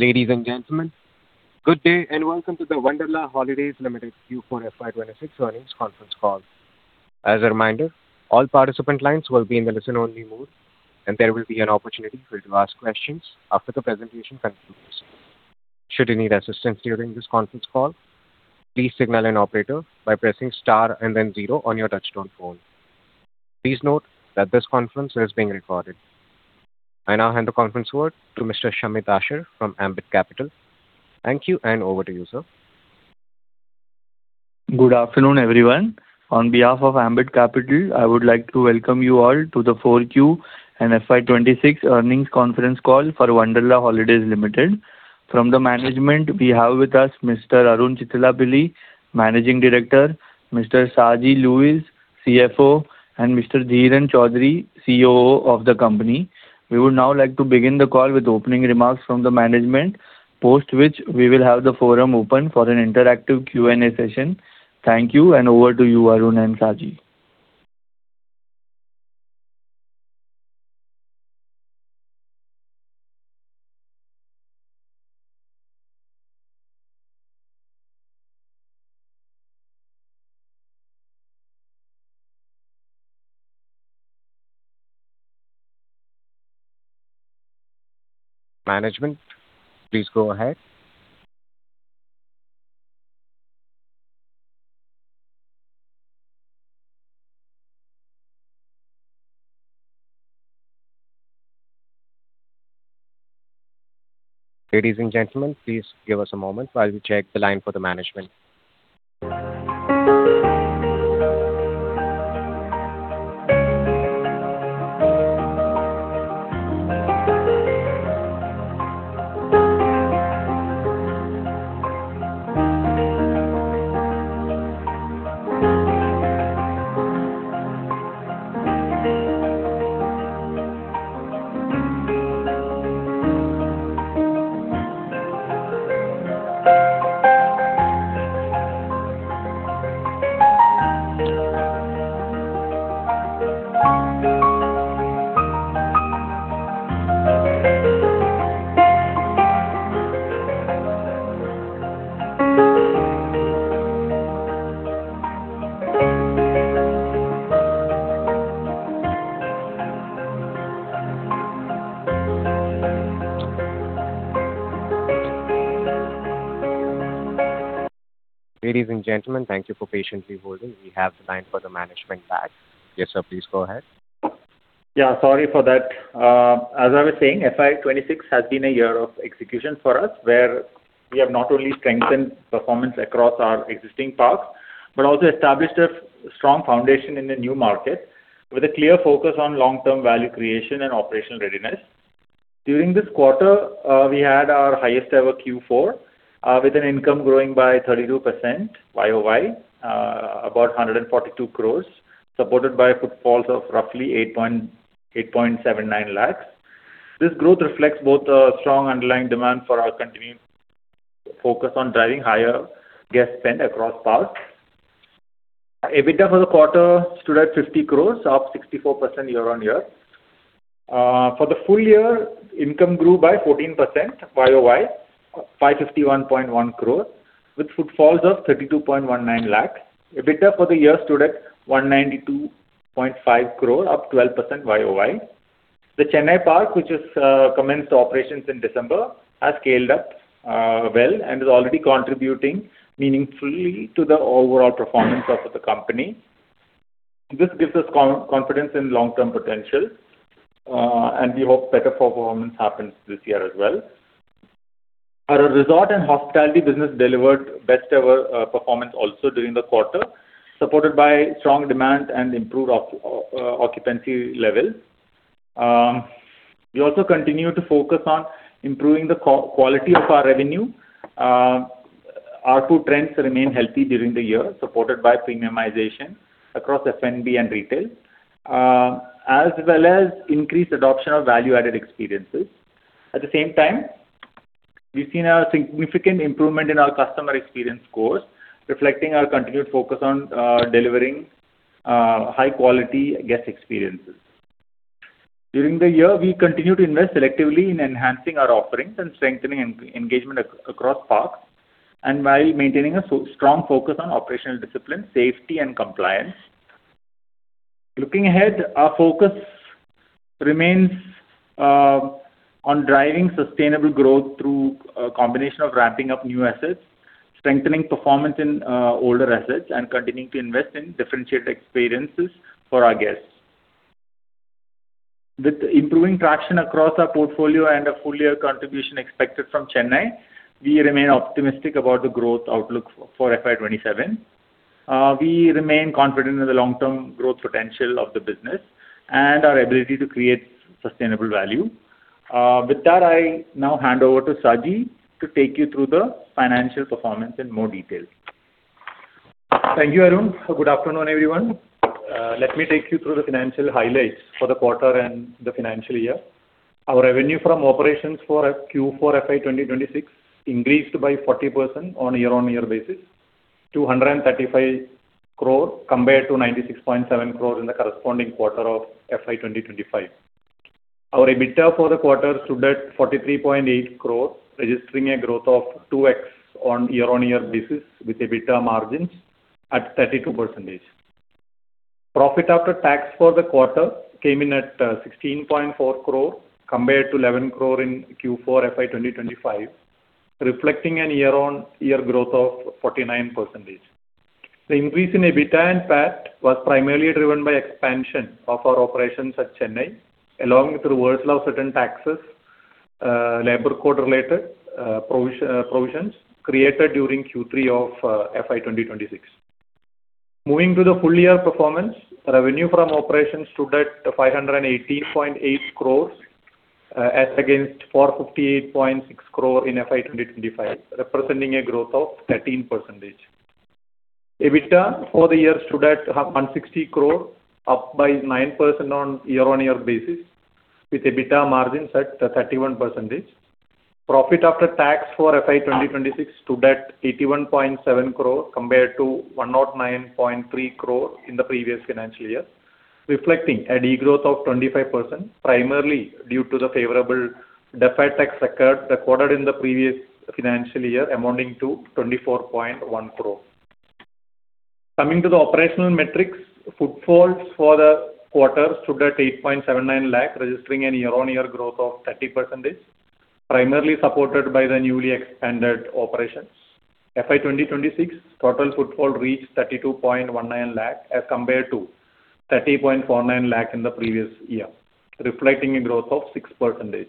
Ladies and gentlemen, good day, and welcome to the Wonderla Holidays Limited Q4 FY 2026 earnings conference call. As a reminder, all participant lines will be in the listen-only mode, and there will be an opportunity for you to ask questions after the presentation concludes. Should you need assistance during this conference call, please signal an operator by pressing star and then zero on your touch-tone phone. Please note that this conference is being recorded. I now hand the conference over to Mr. Shamit Ashar from Ambit Capital. Thank you, and over to you, sir. Good afternoon, everyone. On behalf of Ambit Capital, I would like to welcome you all to the Q4 and FY 2026 earnings conference call for Wonderla Holidays Limited. From the management, we have with us Mr. Arun Chittilappilly, Managing Director, Mr. Saji Louiz, CFO, and Mr. Dheeran Choudhary, COO of the company. We would now like to begin the call with opening remarks from the management. Post which, we will have the forum open for an interactive Q&A session. Thank you. Over to you, Arun and Saji. Management, please go ahead. Ladies and gentlemen, please give us a moment while we check the line for the management. Ladies and gentlemen, thank you for patiently holding. We have the line for the management back. Yes, sir. Please go ahead. Yeah, sorry for that. As I was saying, FY 2026 has been a year of execution for us, where we have not only strengthened performance across our existing parks, but also established a strong foundation in the new market with a clear focus on long-term value creation and operational readiness. During this quarter, we had our highest ever Q4, with an income growing by 32% Y-O-Y, about 142 crores, supported by footfalls of roughly 8.79 lakhs. This growth reflects both the strong underlying demand for our continued focus on driving higher guest spend across parks. EBITDA for the quarter stood at 50 crores, up 64% year-on-year. For the full year, income grew by 14% Y-O-Y, 551.1 crore, with footfalls of 32.19 lakh. EBITDA for the year stood at 192.5 crore, up 12% Y-O-Y. The Chennai park, which is commenced operations in December, has scaled up well and is already contributing meaningfully to the overall performance of the company. This gives us confidence in long-term potential, and we hope better performance happens this year as well. Our resort and hospitality business delivered best ever performance also during the quarter, supported by strong demand and improved occupancy levels. We also continue to focus on improving the quality of our revenue. Our two trends remain healthy during the year, supported by premiumization across F&B and retail, as well as increased adoption of value-added experiences. At the same time, we've seen a significant improvement in our customer experience scores, reflecting our continued focus on delivering high-quality guest experiences. During the year, we continued to invest selectively in enhancing our offerings and strengthening engagement across parks, and while maintaining a strong focus on operational discipline, safety and compliance. Looking ahead, our focus remains on driving sustainable growth through a combination of ramping up new assets, strengthening performance in older assets, and continuing to invest in differentiated experiences for our guests. With improving traction across our portfolio and a full year contribution expected from Chennai, we remain optimistic about the growth outlook for FY 2027. We remain confident in the long-term growth potential of the business and our ability to create sustainable value. With that, I now hand over to Saji Louiz to take you through the financial performance in more detail. Thank you, Arun Chittilappilly. Good afternoon, everyone. Let me take you through the financial highlights for the quarter and the financial year. Our revenue from operations for Q4 FY 2026 increased by 40% on a year-on-year basis, 235 crore compared to 96.7 crore in the corresponding quarter of FY 2025. Our EBITDA for the quarter stood at 43.8 crore, registering a growth of 2x on year-on-year basis, with EBITDA margins at 32%. Profit after tax for the quarter came in at 16.4 crore compared to 11 crore in Q4 FY 2025, reflecting an year-on-year growth of 49%. The increase in EBITDA and PAT was primarily driven by expansion of our operations at Chennai, along with reversal of certain taxes, labor code related provisions created during Q3 of FY 2026. Moving to the full year performance, revenue from operations stood at 518.8 crore, as against 458.6 crore in FY 2025, representing a growth of 13%. EBITDA for the year stood at 160 crore, up by 9% on year-on-year basis, with EBITDA margins at 31%. Profit after tax for FY 2026 stood at 81.7 crore compared to 109.3 crore in the previous financial year, reflecting a degrowth of 25%, primarily due to the favorable deferred tax recorded in the previous financial year amounting to 24.1 crore. Coming to the operational metrics, footfalls for the quarter stood at 8.79 lakh, registering an year-on-year growth of 30%, primarily supported by the newly expanded operations. FY 2026 total footfall reached 32.19 lakh as compared to 30.49 lakh in the previous year, reflecting a growth of 6%.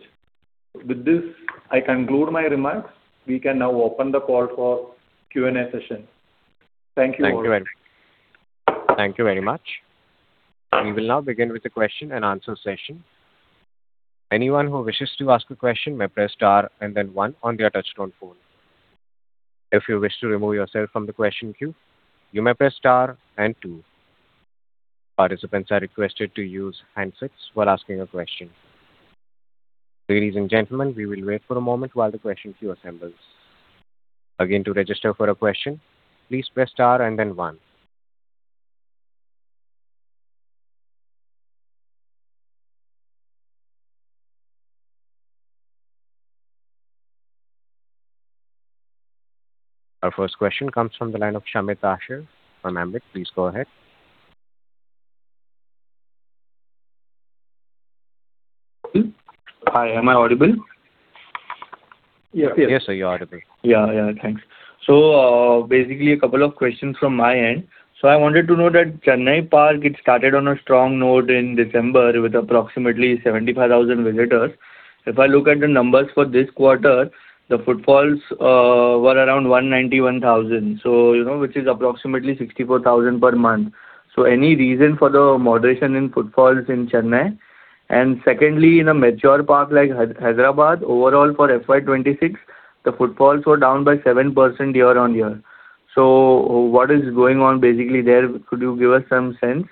With this, I conclude my remarks. We can now open the call for Q&A session. Thank you all. Thank you very much. We will now begin with the question and answer session. Ladies and gentlemen, we will wait for a moment while the question queue assembles. Our first question comes from the line of Shamit Ashar from Ambit. Please go ahead. Hi, am I audible? Yes. Yes, sir, you're audible. Yeah, yeah. Thanks. Basically a couple of questions from my end. I wanted to know that Chennai park, it started on a strong note in December with approximately 75,000 visitors. If I look at the numbers for this quarter, the footfalls were around 191,000, so, you know, which is approximately 64,000 per month. Any reason for the moderation in footfalls in Chennai? Secondly, in a mature park like Hyderabad, overall for FY 2026, the footfalls were down by 7% year-on-year. What is going on basically there? Could you give us some sense?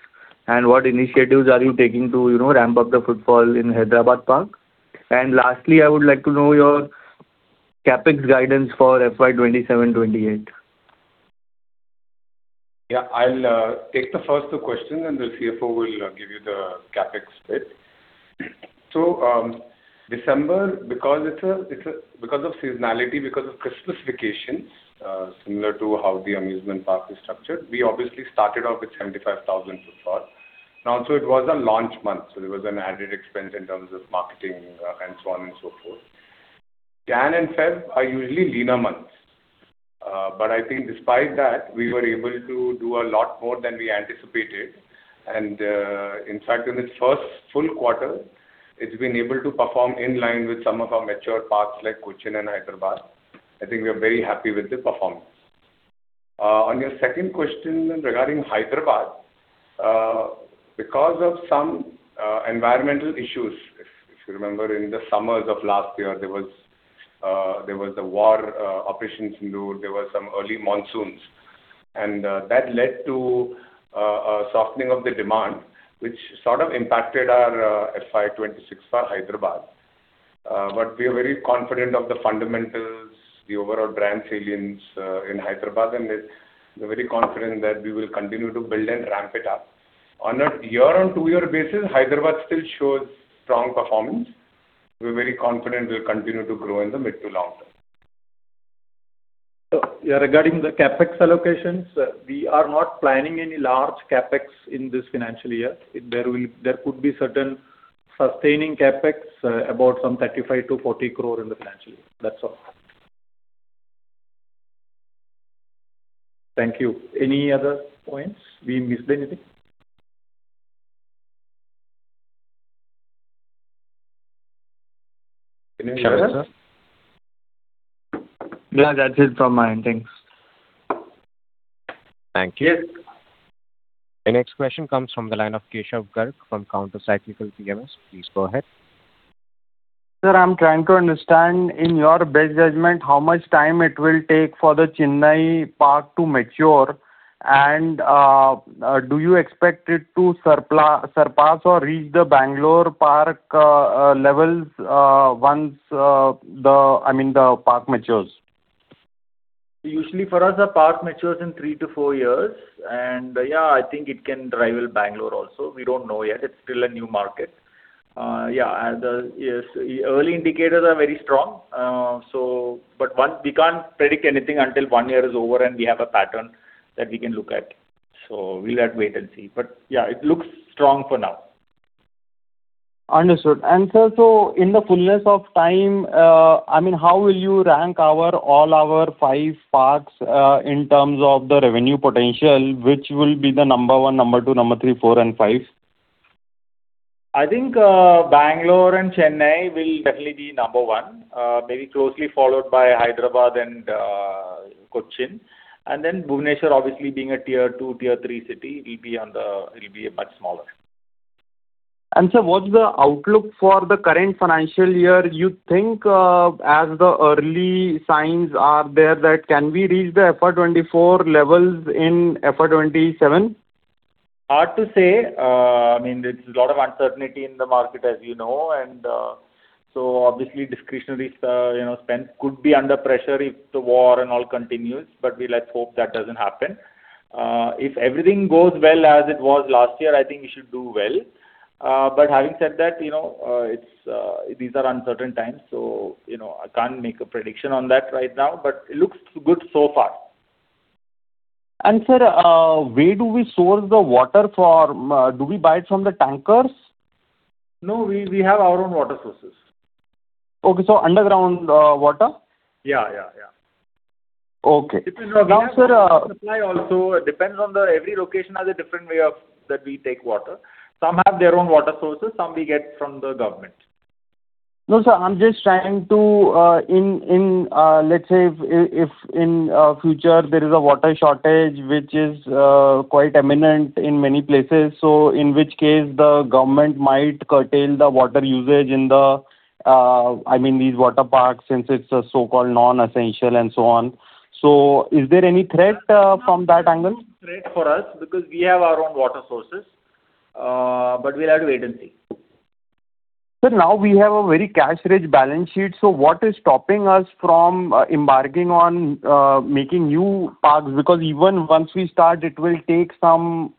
What initiatives are you taking to, you know, ramp up the footfall in Hyderabad Park? Lastly, I would like to know your CapEx guidance for FY 2027, 2028. Yeah. I'll take the first two questions, the CFO will give you the CapEx bit. December, because of seasonality, because of Christmas vacations, similar to how the amusement park is structured, we obviously started off with 75,000 footfalls. Also it was a launch month, so there was an added expense in terms of marketing, and so on and so forth. Jan and Feb are usually leaner months. I think despite that, we were able to do a lot more than we anticipated. In fact, in its first full quarter, it's been able to perform in line with some of our mature parks like Cochin and Hyderabad. I think we are very happy with the performance. On your second question regarding Hyderabad, because of some environmental issues, if you remember in the summers of last year, there was the war, Operation Sindoor. There were some early monsoons. That led to a softening of the demand, which sort of impacted our FY 2026 for Hyderabad. But we are very confident of the fundamentals, the overall brand salience in Hyderabad, and we're very confident that we will continue to build and ramp it up. On a year on two year basis, Hyderabad still shows strong performance. We're very confident we'll continue to grow in the mid to long term. Regarding the CapEx allocations, we are not planning any large CapEx in this financial year. There could be certain sustaining CapEx, about some 35 crore-40 crore in the financial year. That's all. Thank you. Any other points? We missed anything? Shamit sir. No, that's it from my end. Thanks. Thank you. The next question comes from the line of Keshav Garg from Counter Cyclical PMS. Please go ahead. Sir, I'm trying to understand, in your best judgment, how much time it will take for the Chennai park to mature. Do you expect it to surpass or reach the Bangalore park levels once, the, I mean, the park matures? Usually for us, a park matures in 3-4 years. Yeah, I think it can rival Bangalore also. We don't know yet. It's still a new market. Yeah, Yes, early indicators are very strong. We can't predict anything until one year is over and we have a pattern that we can look at. We'll have to wait and see. Yeah, it looks strong for now. Understood. In the fullness of time, I mean, how will you rank all our five parks in terms of the revenue potential, which will be the number 1, number 2, number 3, 4, and 5? I think, Bangalore and Chennai will definitely be number 1, very closely followed by Hyderabad and Cochin. Bhubaneswar, obviously being a tier 2, tier 3 city, it'll be much smaller. Sir, what's the outlook for the current financial year? You think, as the early signs are there that can we reach the FY 2024 levels in FY 2027? Hard to say. I mean, there's a lot of uncertainty in the market, as you know. Obviously discretionary, you know, spend could be under pressure if the war and all continues. We let's hope that doesn't happen. If everything goes well as it was last year, I think we should do well. Having said that, you know, it's, these are uncertain times, you know, I can't make a prediction on that right now, but it looks good so far. Sir, where do we source the water, do we buy it from the tankers? No, we have our own water sources. Underground, water? Yeah, yeah. Okay. Now sir. We have ground supply also. Every location has a different way of that we take water. Some have their own water sources, some we get from the government. No, sir, I'm just trying to in, let's say if in future there is a water shortage, which is quite imminent in many places, so in which case the government might curtail the water usage in the, I mean, these water parks since it's a so-called non-essential and so on. Is there any threat from that angle? Not a threat for us because we have our own water sources. We'll have to wait and see. Sir, now we have a very cash-rich balance sheet. What is stopping us from, embarking on, making new parks? Even once we start, it will take some,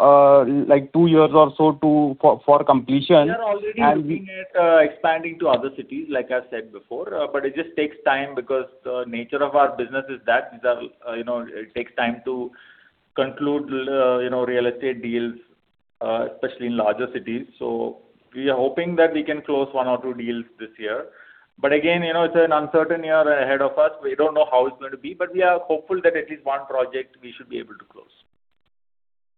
like two years or so for completion. We are already looking at, expanding to other cities, like I said before. It just takes time because the nature of our business is that these are, you know, it takes time to conclude, you know, real estate deals, especially in larger cities. We are hoping that we can close one or two deals this year. Again, you know, it's an uncertain year ahead of us. We don't know how it's going to be, but we are hopeful that at least one project we should be able to close.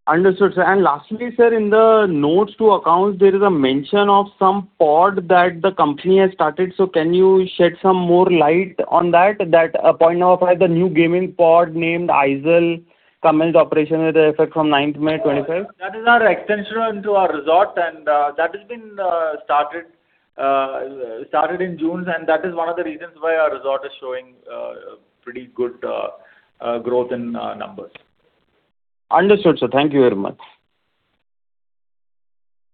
Understood, sir. Lastly, sir, in the notes to accounts, there is a mention of some pod that the company has started. Can you shed some more light on that? That, point number 5, the new gaming pod named Isle commenced operation with effect from ninth May 2025. That is our extension into our resort, and that has been started in June, and that is one of the reasons why our resort is showing pretty good growth in numbers. Understood, sir. Thank you very much.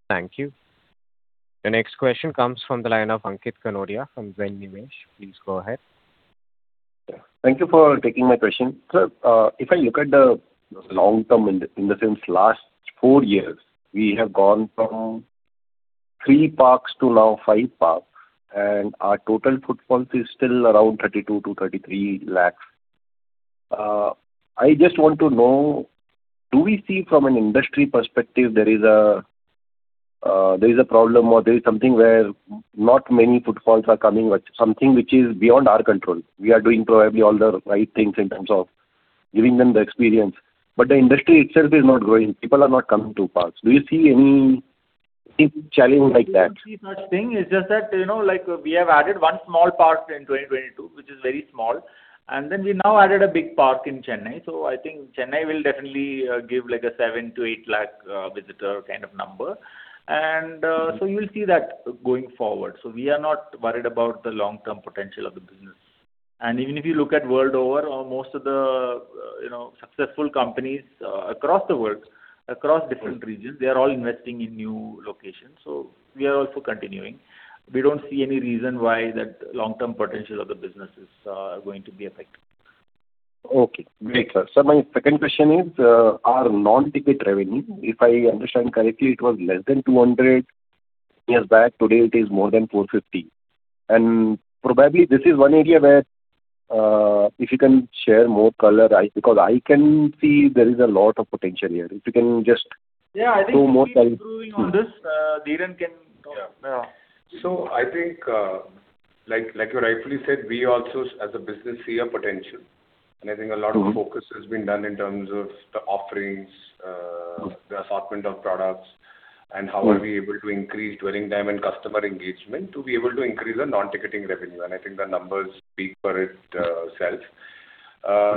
Thank you. The next question comes from the line of Ankit Kanodia from Zen Invest. Please go ahead. Thank you for taking my question. Sir, if I look at the long term in the, in the sense last four years, we have gone from three parks to now five parks, and our total footfalls is still around 32 lakhs-33 lakhs. I just want to know, do we see from an industry perspective there is a problem or there is something where not many footfalls are coming, but something which is beyond our control. We are doing probably all the right things in terms of giving them the experience, but the industry itself is not growing. People are not coming to parks. Do you see any challenge like that? We don't see such thing. It's just that, you know, like we have added one small park in 2022, which is very small, and then we now added a big park in Chennai. I think Chennai will definitely give like a 7 lakh-8 lakh visitor kind of number. You will see that going forward. We are not worried about the long-term potential of the business. Even if you look at world over or most of the, you know, successful companies across the world, across different regions, they are all investing in new locations. We are also continuing. We don't see any reason why that long-term potential of the business is going to be affected. Okay, great, sir. My second question is, our non-ticket revenue, if I understand correctly, it was less than 200 years back. Today it is more than 450. Probably this is one area where, if you can share more color, because I can see there is a lot of potential here. Yeah, I think- -throw more light on- -improving on this. Dheeran can talk. I think, like you rightfully said, we also as a business see a potential. I think a lot of focus has been done in terms of the offerings the assortment of products, and how are we able to increase dwelling time and customer engagement to be able to increase the non-ticketing revenue. I think the numbers speak for it itself.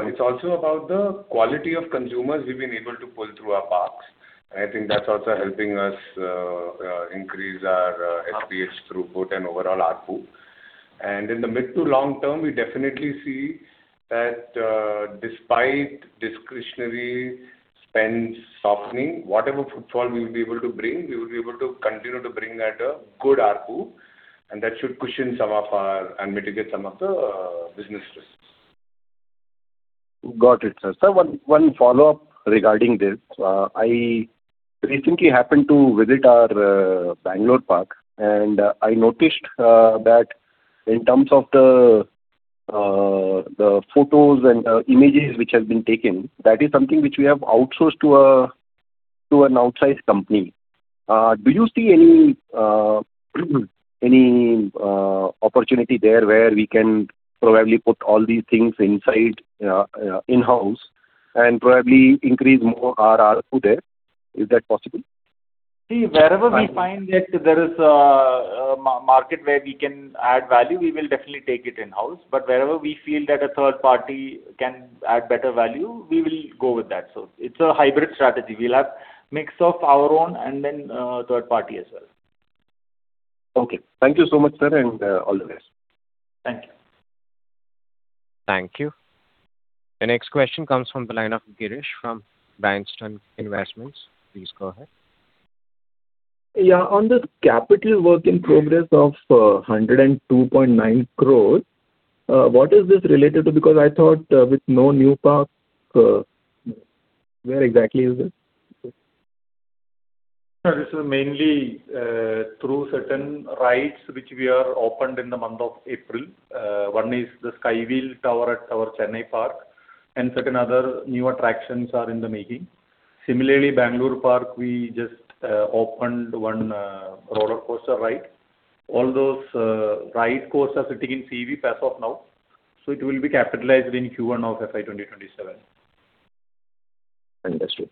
It's also about the quality of consumers we've been able to pull through our parks, and I think that's also helping us increase our FPH throughput and overall ARPU. In the mid to long term, we definitely see that, despite discretionary spend softening, whatever footfall we'll be able to bring, we will be able to continue to bring at a good ARPU, and that should cushion some of our and mitigate some of the, business risks. Got it, sir. Sir, one follow-up regarding this. I recently happened to visit our Bangalore park, and I noticed that in terms of the photos and images which have been taken, that is something which we have outsourced to an outside company. Do you see any opportunity there where we can probably put all these things inside in-house and probably increase more our ARPU there? Is that possible? See, wherever we find that there is a market where we can add value, we will definitely take it in-house. Wherever we feel that a third party can add better value, we will go with that. It's a hybrid strategy. We'll have mix of our own and then third party as well. Okay. Thank you so much, sir, and all the best. Thank you. Thank you. The next question comes from the line of Girish from Bankstone Investments. Please go ahead. Yeah. On the Capital Work in Progress of, 102.9 crores, what is this related to? I thought, with no new parks, where exactly is this? No, this is mainly through certain rides which we are opened in the month of April. One is the Skywheel tower at our Chennai park, and certain other new attractions are in the making. Similarly, Bangalore park, we just opened one rollercoaster ride. All those ride costs are sitting in CWIP as of now, so it will be capitalized in Q1 of FY 2027. Understood.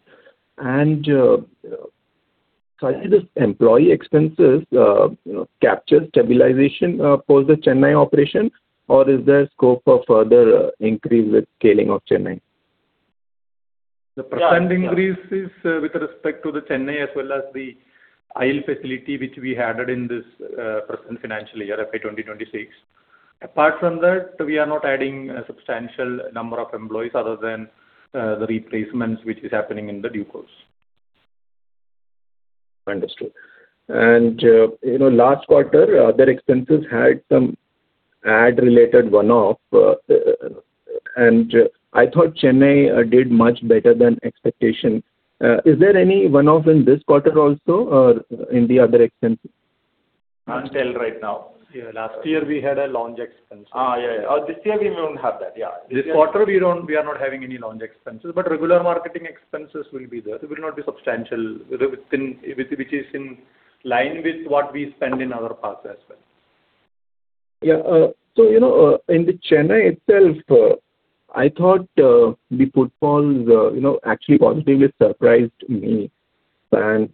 So I see this employee expenses, you know, capture stabilization for the Chennai operation, or is there scope of further increase with scaling of Chennai? The percentage increase is with respect to the Chennai as well as the Isle facility which we added in this present financial year, FY 2026. Apart from that, we are not adding a substantial number of employees other than the replacements which is happening in the due course. Understood. You know, last quarter, their expenses had some A&P related one-off, and I thought Chennai did much better than expectation. Is there any one-off in this quarter also or in the other expenses? Not till right now. Yeah, last year we had a launch expense. This year we won't have that. Yeah. This quarter we are not having any launch expenses. Regular marketing expenses will be there. It will not be substantial, which is in line with what we spend in our parks as well. In the Chennai itself, I thought the footfalls, you know, actually positively surprised me. Arun,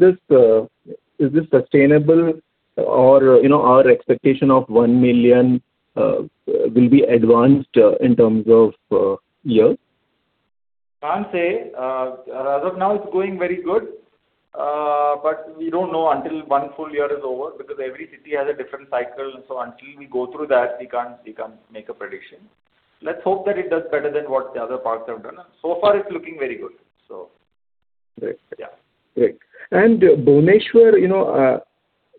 is this sustainable or, you know, our expectation of 1 million will be advanced in terms of years? Can't say. As of now, it's going very good. We don't know until one full year is over because every city has a different cycle. Until we go through that, we can't make a prediction. Let's hope that it does better than what the other parks have done. So far it's looking very good. Great. Great. Bhubaneswar, you know,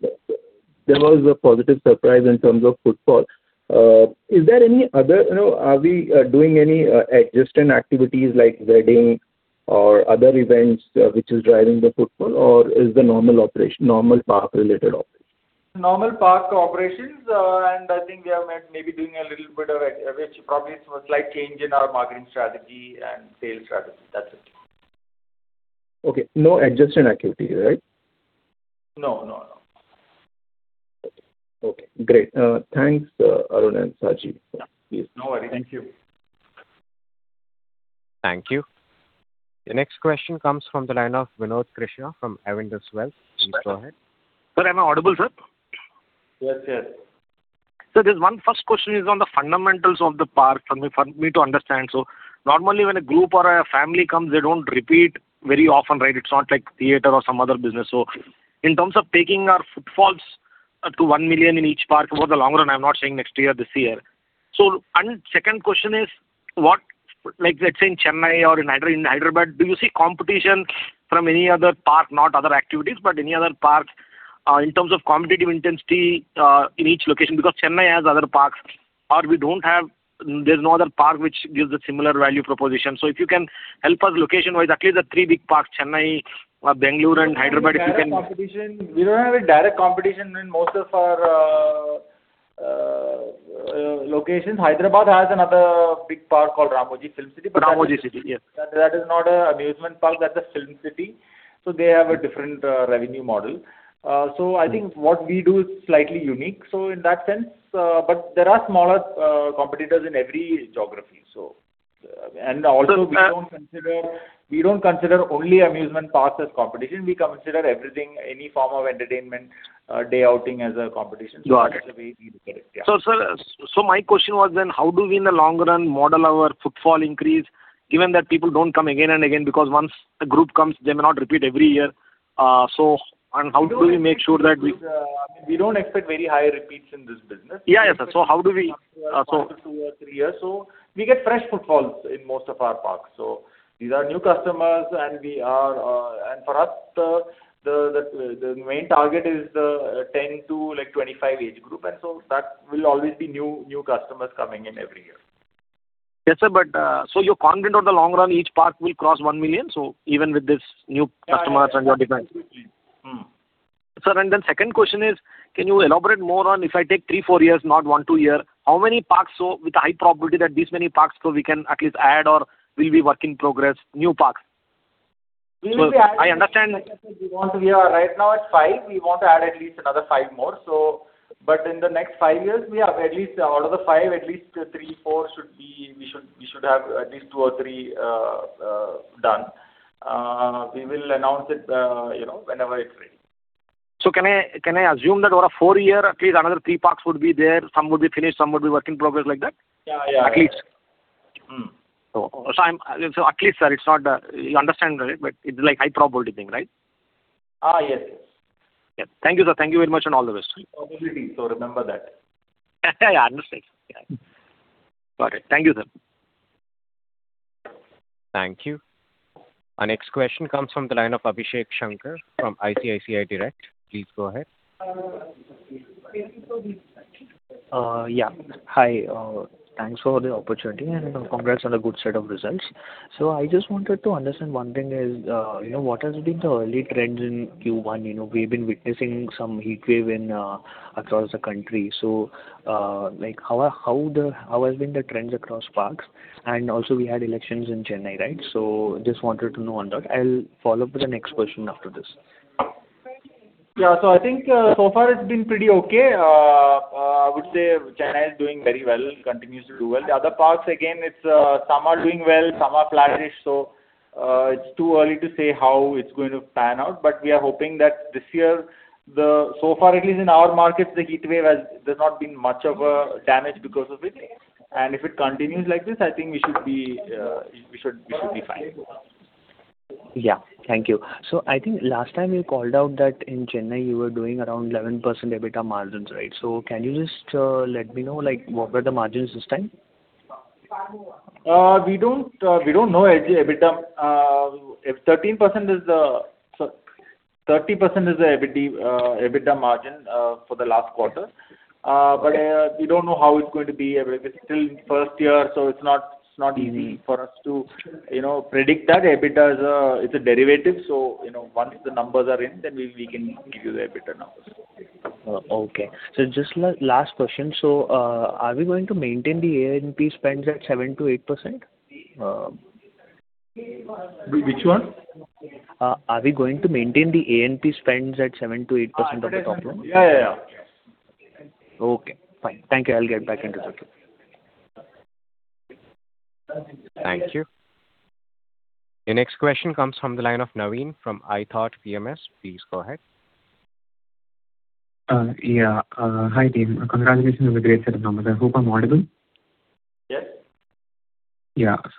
there was a positive surprise in terms of footfall. Is there any other, you know, are we doing any adjacent activities like wedding or other events, which is driving the footfall, or is the normal operation, normal park related operations? Normal park operations, I think we are maybe doing a little bit which probably is a slight change in our marketing strategy and sales strategy. That's it. Okay. No adjacent activity, right? No, no. Okay, great. Thanks, Arun and Saji. Please. No worry. Thank you. Thank you. The next question comes from the line of Vinod Krishna from Avendus Wealth. Please go ahead. Sir, am I audible, sir? Yes, yes. There's one first question is on the fundamentals of the park for me to understand. Normally when a group or a family comes, they don't repeat very often, right? It's not like theater or some other business. In terms of taking our footfalls up to 1 million in each park over the long run, I'm not saying next year, this year. Second question is what, like let's say in Chennai or in Hyderabad, do you see competition from any other park, not other activities, but any other park in terms of competitive intensity in each location? Because Chennai has other parks or we don't have, there's no other park which gives a similar value proposition. If you can help us location-wise, at least the three big parks, Chennai, Bangalore and Hyderabad, if you can- We don't have a direct competition in most of our locations. Hyderabad has another big park called Ramoji Film City- Ramoji City, yes. That is not an amusement park, that's a film city. They have a different revenue model. I think what we do is slightly unique. In that sense, but there are smaller competitors in every geography. Also we don't consider only amusement parks as competition. We consider everything, any form of entertainment, a day outing as a competition. Got it. That's the way we look at it. Yeah. Sir, so my question was then how do we in the long run model our footfall increase given that people don't come again and again because once a group comes, they may not repeat every year, so and how do we make sure that- We don't expect very high repeats in this business. Yeah. how do we- After two or three years. We get fresh footfalls in most of our parks. These are new customers. For us, the main target is 10 to like 25 age group. That will always be new customers coming in every year. Yes, sir. You're confident over the long run each park will cross 1 million, so even with this new customers and your demand? Yeah, yeah. Absolutely. Sir, second question is, can you elaborate more on if I take 3, 4 years, not 1, 2 year, how many parks with high probability that these many parks we can at least add or will be work in progress, new parks? We will be adding- I understand. Like I said, we want to be right now at five. We want to add at least another five more. In the next five years we have at least out of the five, at least three, four should be, we should have at least two or three done. We will announce it, you know, whenever it's ready. Can I assume that over four year at least another three parks would be there, some would be finished, some would be work in progress like that? Yeah, yeah. At least. At least, sir, it's not, you understand, right? It's like high probability thing, right? High end. Yeah. Thank you, sir. Thank you very much and all the best. It's a probability. Remember that. Yeah, understood. Yeah. Got it. Thank you, sir. Thank you. Our next question comes from the line of Abhishek Shankar from ICICI Direct. Please go ahead. Yeah. Hi. Thanks for the opportunity and congrats on the good set of results. I just wanted to understand one thing is, you know, what has been the early trends in Q1? You know, we've been witnessing some heatwave across the country. Like, how has been the trends across parks? Also we had elections in Chennai, right? Just wanted to know on that. I'll follow up with the next question after this. I think so far it's been pretty okay. I would say Chennai is doing very well and continues to do well. The other parks, again, it's some are doing well, some are flattish. It's too early to say how it's going to pan out. We are hoping that this year so far, at least in our markets, the heatwave has, there's not been much of a damage because of it. If it continues like this, I think we should be, we should be fine. Yeah. Thank you. I think last time you called out that in Chennai you were doing around 11% EBITDA margins, right? Can you just let me know, like what were the margins this time? We don't, we don't know exact EBITDA. 13% is the EBITDA margin for the last quarter. Okay. We don't know how it's going to be. It's still first year, it's not easy for us to, you know, predict that. EBITDA is a derivative, you know, once the numbers are in, we can give you the EBITDA numbers. Okay. Just last question. Are we going to maintain the A&P spends at 7%-8%? Which one? Are we going to maintain the A&P spends at 7%-8% of the top line? Yeah, yeah. Okay, fine. Thank you. I'll get back into the queue. Thank you. The next question comes from the line of Naveen from iThought PMS. Please go ahead. Yeah. Hi, team. Congratulations on the great set of numbers. I hope I'm audible. Yes. Yeah. I just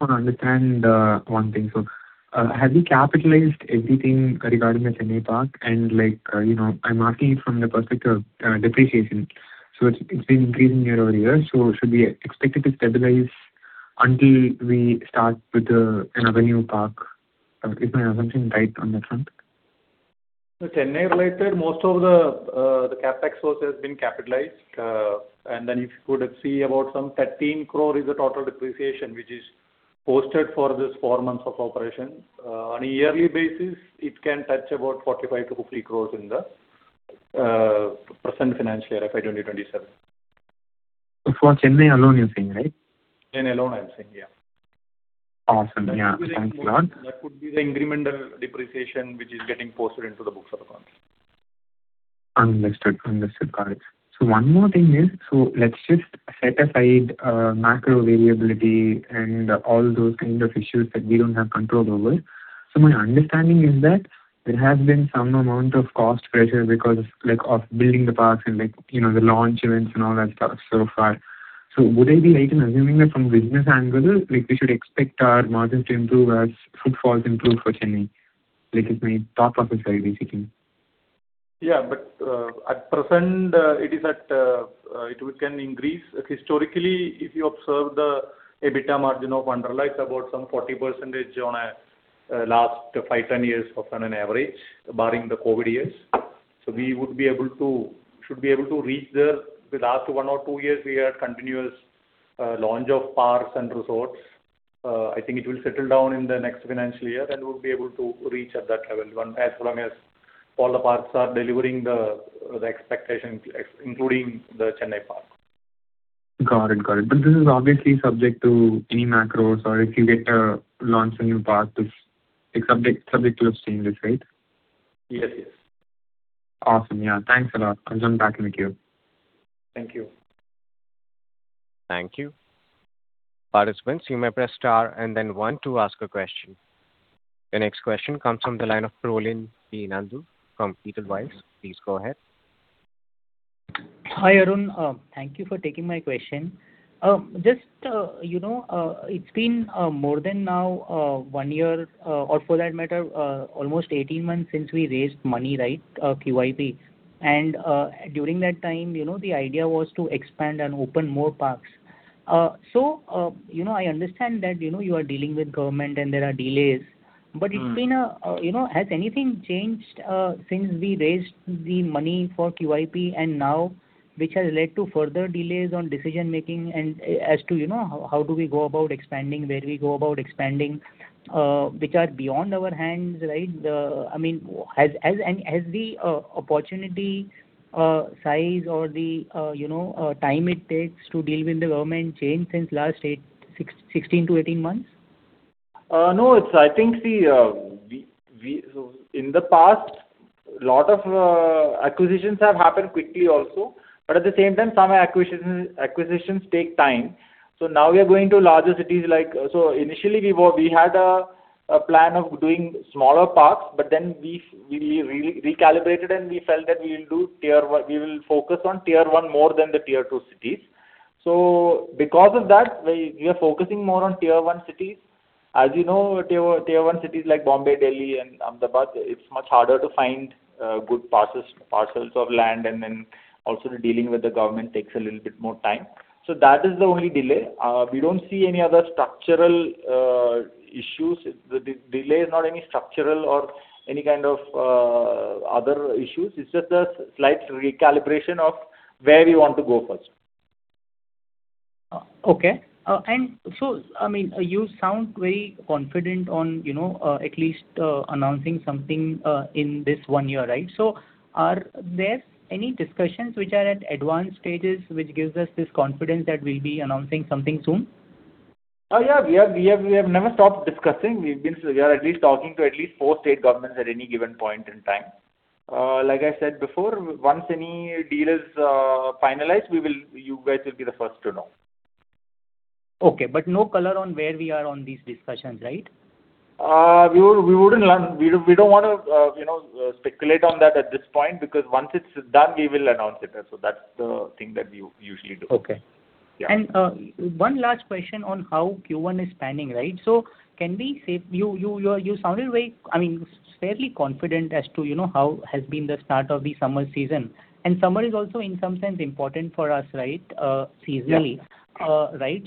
want to understand one thing. Have you capitalized everything regarding the Chennai Park? You know, I'm asking it from the perspective, depreciation. It has been increasing year-over-year, so should we expect it to stabilize until we start with another new park? Is my assumption right on that front? The Chennai related, most of the CapEx source has been capitalized. If you could see about some 13 crore is the total depreciation, which is posted for this four months of operation. On a yearly basis, it can touch about 45-50 crore in the present financial year, FY 2027. It's for Chennai alone, you're saying, right? Chennai alone, I'm saying. Yeah. Awesome. Yeah. Thanks a lot. That would be the incremental depreciation which is getting posted into the books of the company. Understood. Understood. Got it. One more thing is, let's just set aside macro variability and all those kind of issues that we don't have control over. My understanding is that there has been some amount of cost pressure because of building the parks and, you know, the launch events and all that stuff so far. Would I be right in assuming that from business angle, we should expect our margins to improve as footfalls improve for Chennai? If we talk of this very basic thing. At present, it is at. It can increase. Historically, if you observe the EBITDA margin of Wonderla, about some 40% on a last five, 10 years of on an average, barring the COVID years. We should be able to reach there. With last one or two years, we had continuous launch of parks and resorts. I think it will settle down in the next financial year, we'll be able to reach at that level 1, as long as all the parks are delivering the expectation, including the Chennai park. Got it. Got it. This is obviously subject to any macros or if you get to launch a new park, it's subject to those changes, right? Yes. Yes. Awesome. Yeah. Thanks a lot. I will jump back in the queue. Thank you. Thank you. The next question comes from the line of Prolin B. Nandu from Edelweiss. Please go ahead. Hi, Arun. Thank you for taking my question. Just, you know, it's been more than now one year or for that matter almost 18 months since we raised money, right? QIP. During that time, you know, the idea was to expand and open more parks. I understand that, you know, you are dealing with government and there are delays. It's been a, you know, has anything changed since we raised the money for QIP and now, which has led to further delays on decision-making as to, you know, how do we go about expanding, where we go about expanding, which are beyond our hands, right, I mean, has the opportunity size or the, you know, time it takes to deal with the government changed since last 16 months-18 months? In the past, lot of acquisitions have happened quickly also, but at the same time, some acquisitions take time. Now we are going to larger cities like initially we had a plan of doing smaller parks, but then we recalibrated, and we felt that we will do tier 1. We will focus on tier 1 more than the tier 2 cities. We are focusing more on tier 1 cities. As you know, tier 1 cities like Bombay, Delhi and Ahmedabad, it's much harder to find good parcels of land. Also dealing with the government takes a little bit more time. That is the only delay. We don't see any other structural issues. The delay is not any structural or any kind of other issues. It's just a slight recalibration of where we want to go first. Okay. I mean, you sound very confident on, you know, at least announcing something in this one year, right? Are there any discussions which are at advanced stages which gives us this confidence that we'll be announcing something soon? Yeah. We have never stopped discussing. We are at least talking to at least four state governments at any given point in time. Like I said before, once any deal is finalized, you guys will be the first to know. Okay. No color on where we are on these discussions, right? We don't wanna, you know, speculate on that at this point because once it's done, we will announce it. That's the thing that we usually do. Okay. Yeah. One last question on how Q1 is panning, right? Can we say you sounded very, I mean, fairly confident as to, you know, how has been the start of the summer season. Summer is also in some sense important for us, right? Seasonally. Right?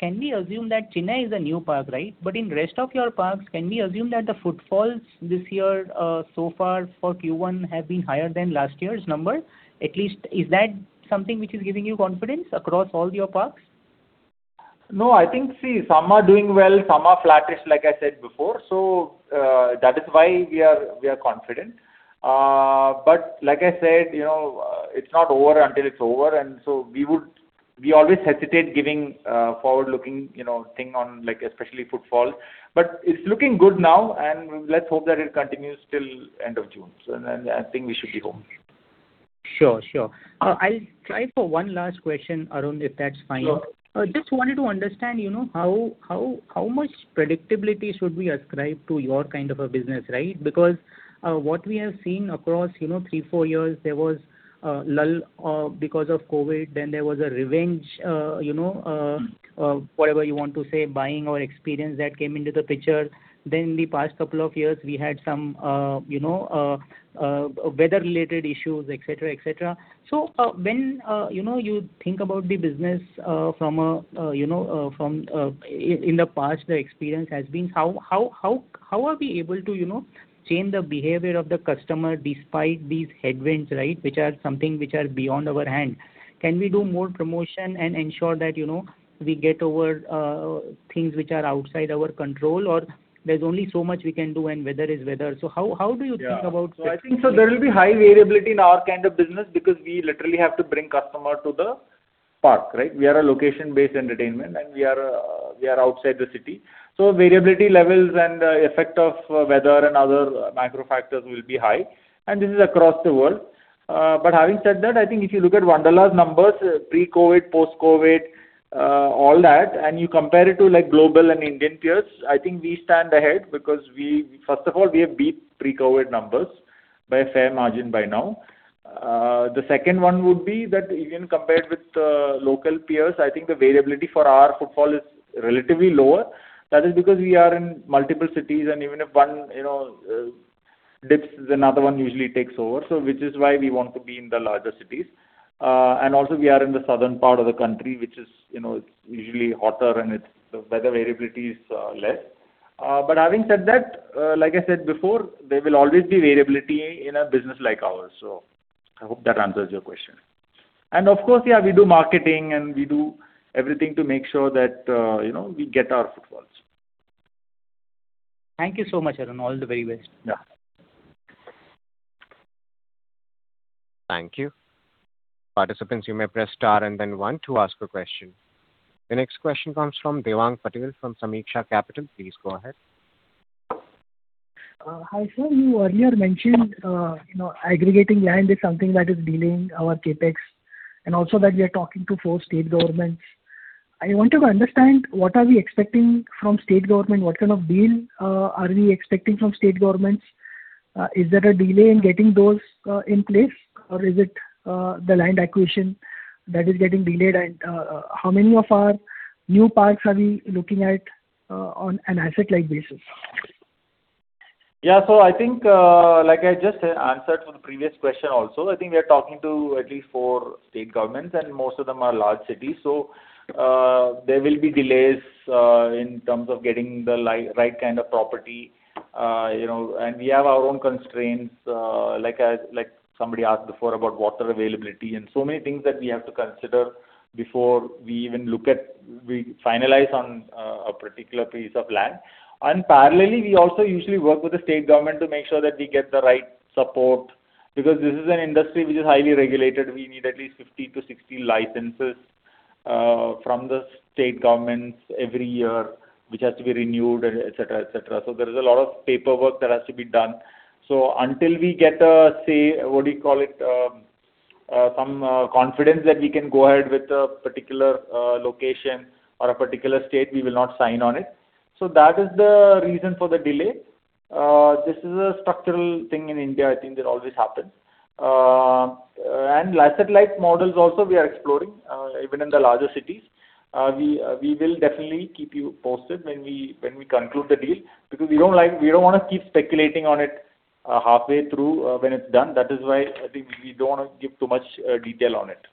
Can we assume that Chennai is a new park, right? In rest of your parks, can we assume that the footfalls this year, so far for Q1 have been higher than last year's number? At least is that something which is giving you confidence across all your parks? No. I think, see, some are doing well, some are flattish, like I said before. That is why we are confident. But like I said, you know, it's not over until it's over. We always hesitate giving forward-looking, you know, thing on like especially footfall. But it's looking good now, and let's hope that it continues till end of June. I think we should be home. Sure. Sure. I'll try for one last question, Arun, if that's fine. Sure. Just wanted to understand, you know, how much predictability should we ascribe to your kind of a business, right? What we have seen across, you know, 3, 4 years, there was a lull because of COVID. There was a revenge, whatever you want to say, buying or experience that came into the picture. In the past two years we had some weather-related issues, et cetera, et cetera. When you think about the business, in the past the experience has been how are we able to, you know, change the behavior of the customer despite these headwinds, right? Which are something which are beyond our hand. Can we do more promotion and ensure that, you know, we get over things which are outside our control? There's only so much we can do and weather is weather. How do you think about- Yeah. -strategy? I think so there will be high variability in our kind of business because we literally have to bring customer to the park, right? We are a location-based entertainment, and we are, we are outside the city. Variability levels and effect of weather and other macro factors will be high, and this is across the world. Having said that, I think if you look at Wonderla's numbers, pre-COVID, post-COVID, all that, and you compare it to like global and Indian peers, I think we stand ahead because First of all, we have beat pre-COVID numbers by a fair margin by now. The second one would be that even compared with the local peers, I think the variability for our footfall is relatively lower. That is because we are in multiple cities and even if one, you know, dips, then another one usually takes over. Which is why we want to be in the larger cities. And also we are in the southern part of the country, which is, you know, it's usually hotter and the weather variability is less. But having said that, like I said before, there will always be variability in a business like ours. I hope that answers your question. Of course, yeah, we do marketing and we do everything to make sure that, you know, we get our footfalls. Thank you so much, Arun. All the very best. Yeah. Thank you. Participants, you may press Star and then One to ask a question. The next question comes from Dewang Patel from Sameeksha Capital. Please go ahead. Hi, sir. You earlier mentioned, you know, aggregating land is something that is delaying our CapEx and also that we are talking to four state governments. I wanted to understand what are we expecting from state government, what kind of deal are we expecting from state governments? Is there a delay in getting those in place or is it the land acquisition that is getting delayed? How many of our new parks are we looking at on an asset-light basis? Yeah. I think, like I just answered for the previous question also, I think we are talking to at least four state governments, and most of them are large cities. There will be delays in terms of getting the right kind of property. You know, we have our own constraints, like somebody asked before about water availability and so many things that we have to consider before we even look at, we finalize on a particular piece of land. Parallelly, we also usually work with the state government to make sure that we get the right support because this is an industry which is highly regulated. We need at least 50-60 licenses from the state governments every year, which has to be renewed, et cetera, et cetera. There is a lot of paperwork that has to be done. Until we get a, say, what do you call it, some confidence that we can go ahead with a particular location or a particular state, we will not sign on it. That is the reason for the delay. This is a structural thing in India, I think that always happens. Asset-light models also we are exploring even in the larger cities. We will definitely keep you posted when we conclude the deal because we don't wanna keep speculating on it halfway through when it's done. That is why I think we don't wanna give too much detail on it.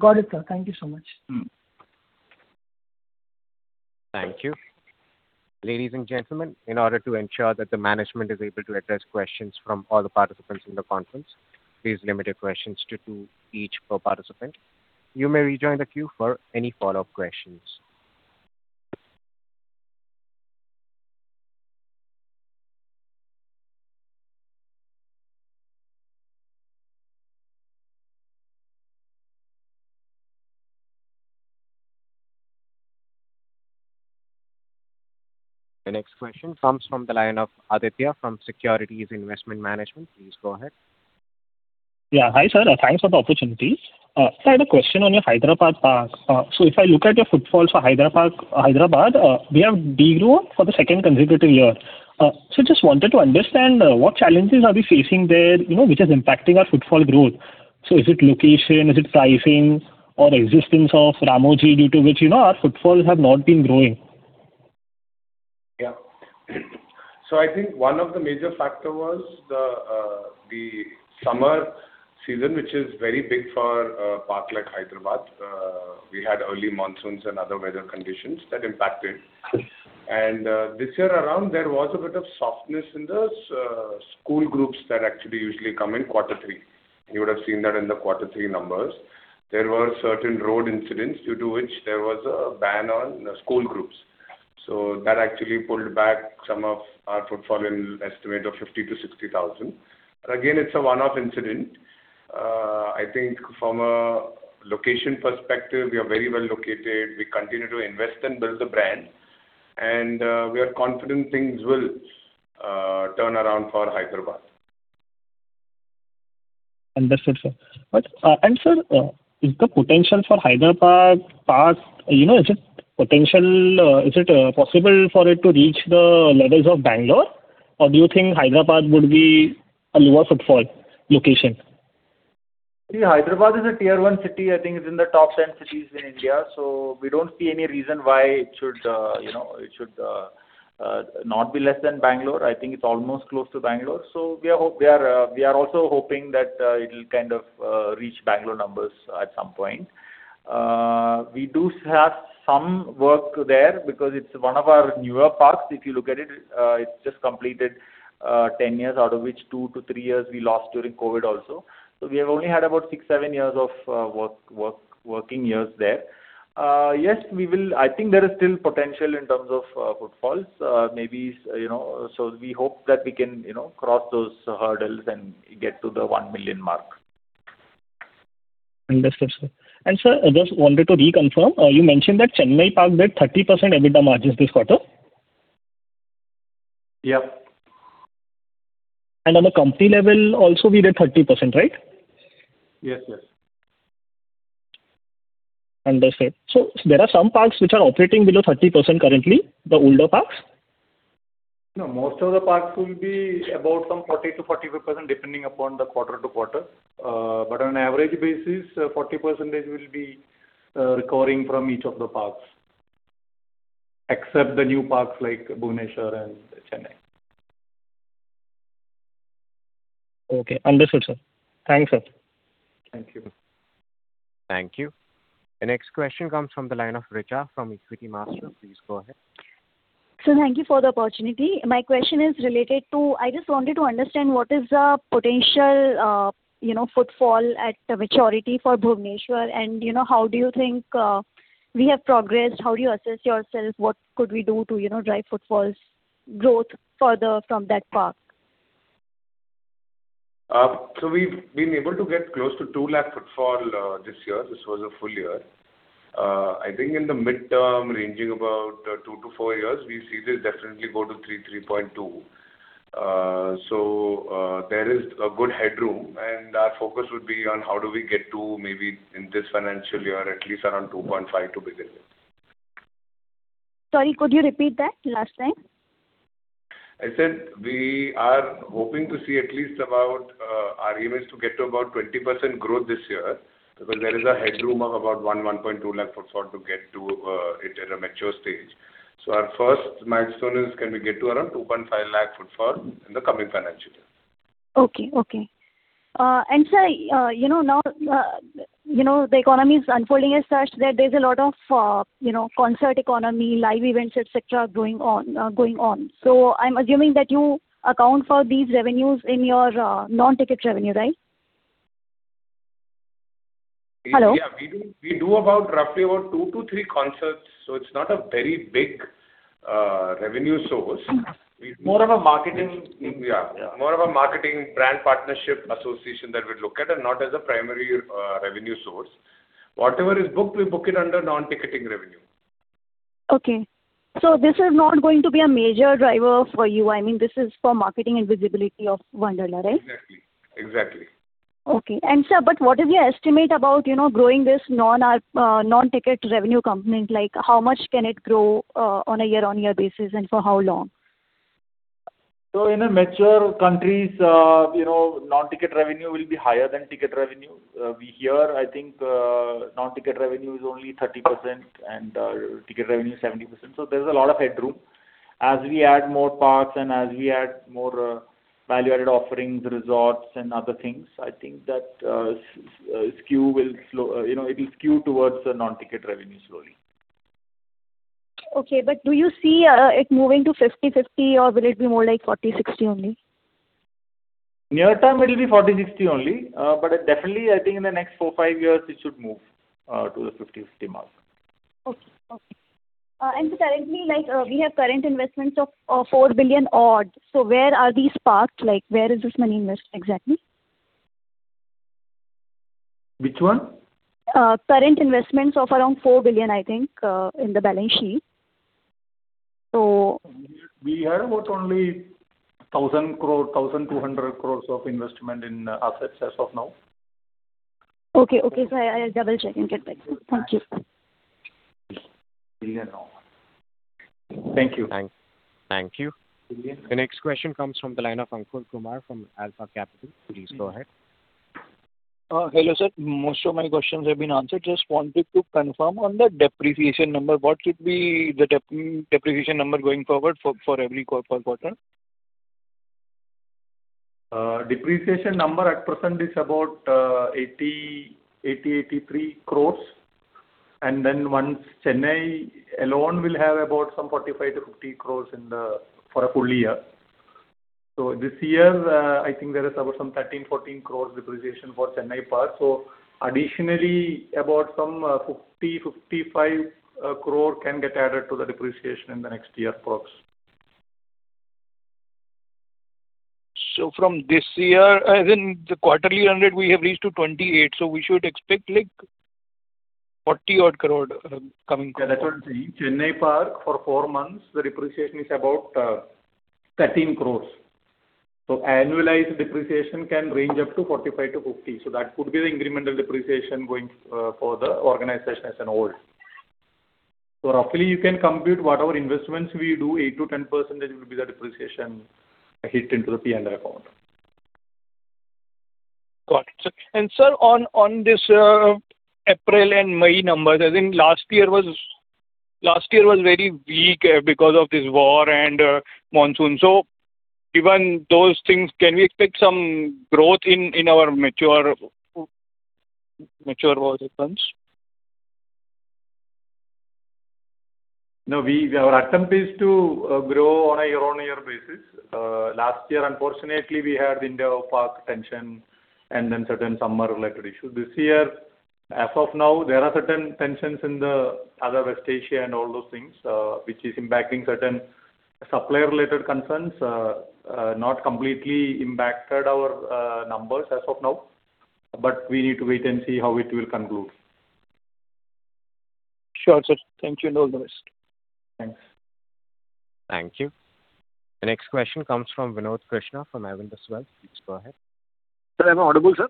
Got it, sir. Thank you so much. Thank you. Ladies and gentlemen, in order to ensure that the management is able to address questions from all the participants in the conference, please limit your questions to two each per participant. You may rejoin the queue for any follow-up questions. The next question comes from the line of Aditya from Securities Investment Management. Please go ahead. Yeah. Hi, sir. Thanks for the opportunity. Sir, I had a question on your Hyderabad park. If I look at your footfalls for Hyderabad, we have de-growth for the second consecutive year. Just wanted to understand what challenges are we facing there, you know, which is impacting our footfall growth. Is it location, is it pricing or existence of Ramoji due to which, you know, our footfalls have not been growing? Yeah. I think one of the major factor was the summer season, which is very big for a park like Hyderabad. We had early monsoons and other weather conditions that impacted. Yes. This year around, there was a bit of softness in the school groups that actually usually come in quarter three. You would have seen that in the quarter three numbers. There were certain road incidents due to which there was a ban on school groups. That actually pulled back some of our footfall in estimate of 50,000-60,000. Again, it's a one-off incident. I think from a location perspective, we are very well located. We continue to invest and build the brand, we are confident things will turn around for Hyderabad. Understood, sir. Sir, is the potential for Hyderabad park, you know, is it possible for it to reach the levels of Bangalore or do you think Hyderabad would be a lower footfall location? Hyderabad is a tier 1 city. I think it's in the top 10 cities in India, we don't see any reason why it should not be less than Bangalore. I think it's almost close to Bangalore. We are, we are also hoping that it'll kind of reach Bangalore numbers at some point. We do have some work there because it's one of our newer parks. If you look at it's just completed 10 years, out of which 2-3 years we lost during COVID also. We have only had about 6-7 years of working years there. Yes, we will I think there is still potential in terms of footfalls. Maybe, you know, we hope that we can, you know, cross those hurdles and get to the 1 million mark. Understood, sir. Sir, I just wanted to reconfirm, you mentioned that Chennai park did 30% EBITDA margins this quarter? Yep. On the company level also we did 30%, right? Yes, yes. Understood. There are some parks which are operating below 30% currently, the older parks? No, most of the parks will be about some 40%-45%, depending upon the quarter-to-quarter. On average basis, 40% will be, recovering from each of the parks, except the new parks like Bhubaneswar and Chennai. Okay, understood, sir. Thanks, sir. Thank you. Thank you. The next question comes from the line of Richa from Equitymaster. Please go ahead. Sir, thank you for the opportunity. I just wanted to understand what is the potential, you know, footfall at maturity for Bhubaneswar and, you know, how do you think we have progressed? How do you assess yourself? What could we do to, you know, drive footfalls growth further from that park? We've been able to get close to 2 lakh footfall this year. This was a full year. I think in the midterm, ranging about 2-4 years, we see this definitely go to 3.2. There is a good headroom, and our focus would be on how do we get to maybe in this financial year, at least around 2.5 to be there. Sorry, could you repeat that last line? I said we are hoping to see at least about, our aim is to get to about 20% growth this year because there is a headroom of about 1.2 lakh footfall to get to it at a mature stage. Our first milestone is can we get to around 2.5 lakh footfall in the coming financial year. Okay. Sir, you know, now, you know, the economy is unfolding as such that there's a lot of, you know, concert economy, live events, et cetera, going on. I'm assuming that you account for these revenues in your non-ticket revenue, right? Hello? Yeah, we do about roughly about 2-3 concerts, so it's not a very big revenue source. More of a marketing- Yeah. Yeah. More of a marketing brand partnership association that we look at and not as a primary revenue source. Whatever is booked, we book it under non-ticketing revenue. Okay. This is not going to be a major driver for you. I mean, this is for marketing and visibility of Wonderla, right? Exactly. Exactly. Okay. Sir, what is your estimate about, you know, growing this non-ticket revenue component? Like, how much can it grow on a year-on-year basis and for how long? In a mature countries, you know, non-ticket revenue will be higher than ticket revenue. We here, I think, non-ticket revenue is only 30% and, ticket revenue is 70%. There's a lot of headroom. As we add more parks and as we add more, value-added offerings, resorts and other things, I think that, skew will slow, you know, it'll skew towards the non-ticket revenue slowly. Okay. Do you see it moving to 50/50 or will it be more like 40/60 only? Near term it'll be 40/60 only. Definitely I think in the next 4, 5 years it should move, to the 50/50 mark. Okay. Currently, like, we have current investments of 4 billion odds. Where are these parked? Like, where is this money invested exactly? Which one? Current investments of around 4 billion, I think, in the balance sheet. We had about only 1,000 crore, 1,200 crore of investment in assets as of now. Okay. Okay, sir. I'll double-check and get back to you. Thank you. Thank you. Thank you. The next question comes from the line of Ankur Kumar from Alpha Capital. Please go ahead. Hello sir. Most of my questions have been answered. Just wanted to confirm on the depreciation number. What should be the depreciation number going forward for every quarter? Depreciation number at present is about 83 crores. Once Chennai alone will have about 45-50 crores for a full year. This year, I think there is about 13-14 crores depreciation for Chennai park. Additionally, about 55 crore can get added to the depreciation in the next year approx. From this year, as in the quarterly earned, we have reached to 28, so we should expect like 40 odd crore coming quarter. Yeah, that's what I'm saying. Chennai park for four months, the depreciation is about 13 crores. Annualized depreciation can range up to 45-50 crores. That could be the incremental depreciation going for the organization as a whole. Roughly you can compute whatever investments we do, 8%-10% will be the depreciation hit into the P&L account. Got it. Sir, on this April and May numbers, I think last year was very weak because of this war and monsoon. Given those things, can we expect some growth in our mature parks? No, our attempt is to grow on a year-on-year basis. Last year, unfortunately, we had [India park tension] and then certain summer related issues. This year, as of now, there are certain tensions in the other West Asia and all those things, which is impacting certain supplier related concerns. Not completely impacted our numbers as of now, but we need to wait and see how it will conclude. Sure, sir. Thank you and all the best. Thanks. Thank you. The next question comes from Vinod Krishna from Avendus Wealth. Please go ahead. Sir, am I audible, sir?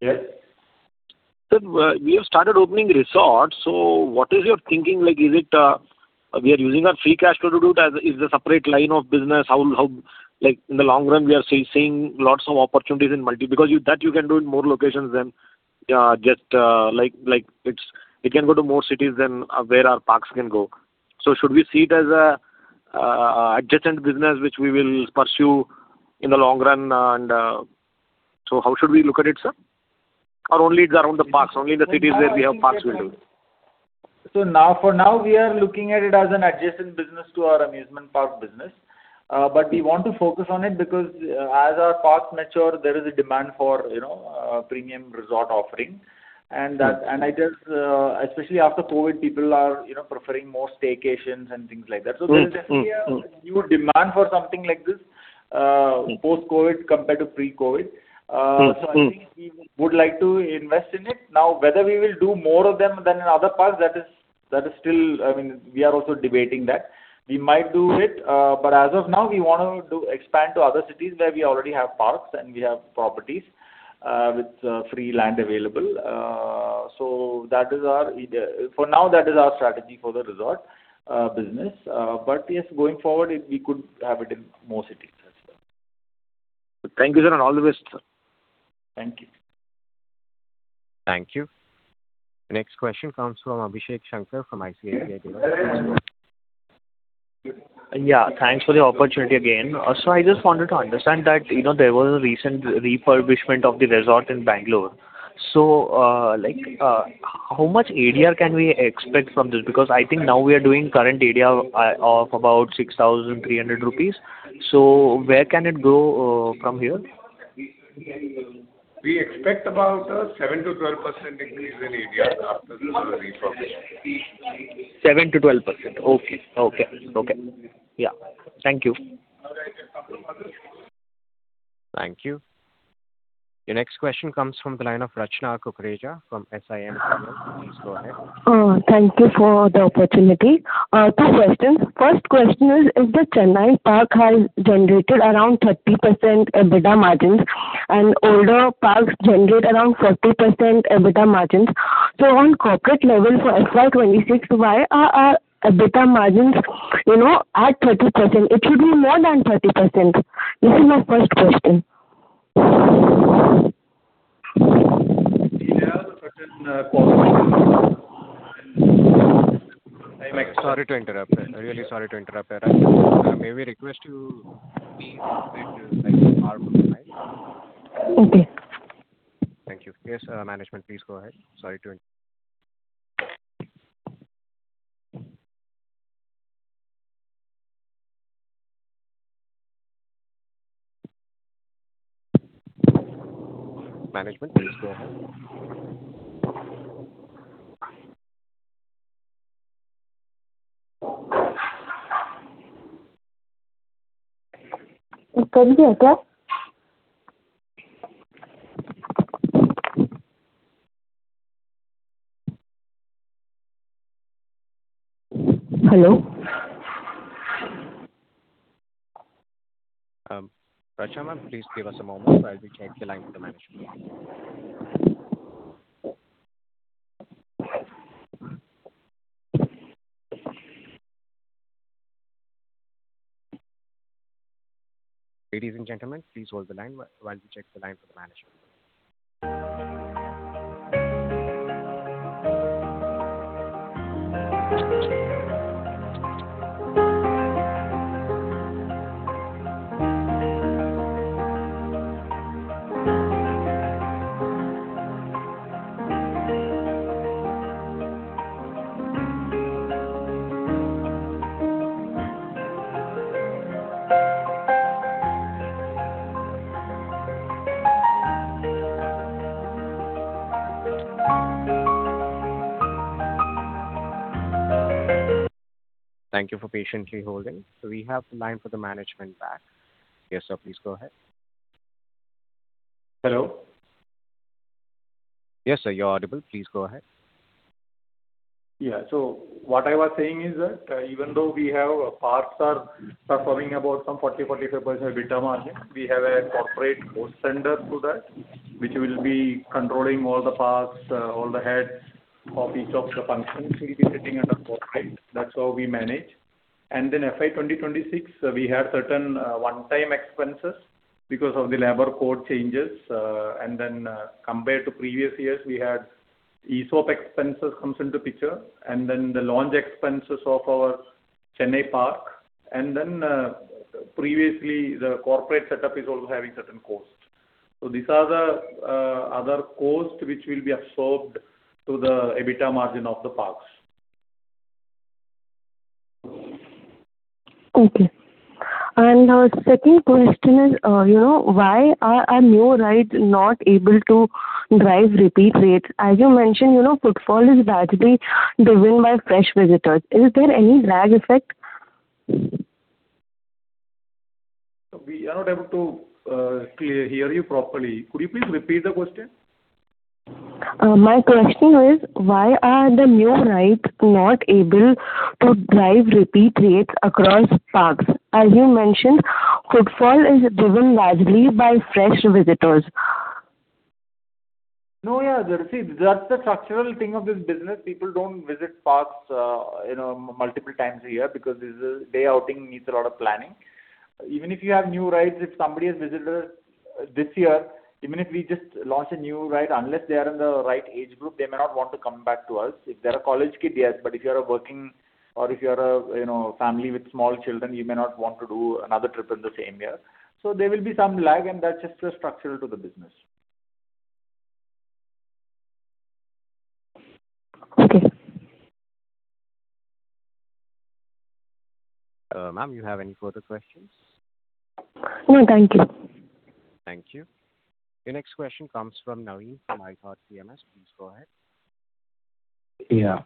Yes. Sir, we have started opening resorts, what is your thinking, like is it we are using our free cash flow to do it as a separate line of business? How, like in the long run, we are seeing lots of opportunities because that you can do in more locations than just like it's, it can go to more cities than where our parks can go. Should we see it as an adjacent business which we will pursue in the long run and how should we look at it, sir? Only it's around the parks, only in the cities where we have parks we'll do it. For now we are looking at it as an adjacent business to our amusement park business. We want to focus on it because, as our parks mature, there is a demand for, you know, premium resort offerings. I just, especially after COVID, people are, you know, preferring more staycations and things like that. There's definitely a new demand for something like this, post-COVID compared to pre-COVID. I think we would like to invest in it. Now, whether we will do more of them than in other parks, that is, that is still I mean, we are also debating that. We might do it. As of now, we want to do expand to other cities where we already have parks and we have properties with free land available. That is our for now, that is our strategy for the resort business. Yes, going forward, we could have it in more cities as well. Thank you, sir, and all the best, sir. Thank you. Thank you. The next question comes from Abhishek Shankar from ICICI Direct. Yeah. Thanks for the opportunity again. I just wanted to understand that, you know, there was a recent refurbishment of the resort in Bangalore. Like, how much ADR can we expect from this? Because I think now we are doing current ADR of about 6,300 rupees. Where can it go from here? We expect about a 7%-12% increase in ADR after the refurbishment. 7%-12%. Okay. Yeah. Thank you. Thank you. Your next question comes from the line of Rachna Kukreja from SiMPL. Please go ahead. Thank you for the opportunity. Two questions. First question is, if the Chennai park has generated around 30% EBITDA margins and older parks generate around 40% EBITDA margins, on corporate level for FY 2026, why are our EBITDA margins, you know, at 30%? It should be more than 30%. This is my first question. We have certain cost savings. I'm sorry to interrupt. Really sorry to interrupt. May we request you please wait till like the end of the call? Okay. Thank you. Yes, Management, please go ahead. Management, please go ahead. Hello? Rachna, ma'am, please give us a moment while we check the line for the management. Ladies and gentlemen, please hold the line while we check the line for the management. Thank you for patiently holding. We have the line for the management back. Yes, sir. Please go ahead. Hello. Yes, sir. You're audible. Please go ahead. Yeah. What I was saying is that, even though we have parks are performing about some 40%-45% EBITDA margin, we have a corporate cost center to that which will be controlling all the parks, all the heads of each of the functions will be sitting under corporate. That's how we manage. FY 2026, we had certain one-time expenses because of the labor code changes. Compared to previous years, we had ESOP expenses comes into picture, and then the launch expenses of our Chennai park. Previously the corporate setup is also having certain costs. These are the other costs which will be absorbed to the EBITDA margin of the parks. Okay. Our second question is, you know, why are our new rides not able to drive repeat rates? As you mentioned, you know, footfall is largely driven by fresh visitors. Is there any lag effect? We are not able to hear you properly. Could you please repeat the question? My question is, why are the new rides not able to drive repeat rates across parks? As you mentioned, footfall is driven largely by fresh visitors. No, yeah. See, that's the structural thing of this business. People don't visit parks, you know, multiple times a year because this is day outing, needs a lot of planning. Even if you have new rides, if somebody has visited this year, even if we just launch a new ride, unless they are in the right age group, they may not want to come back to us. If they're a college kid, yes. If you are a working or if you are, you know, family with small children, you may not want to do another trip in the same year. There will be some lag, and that's just structural to the business. Okay. Ma'am, you have any further questions? No, thank you. Thank you. Your next question comes from Navin Koushik from ithoughtPMS. Please go ahead.